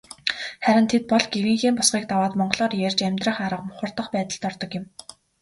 Харин тэд бол гэрийнхээ босгыг даваад монголоор ярьж амьдрах арга мухардах байдалд ордог юм.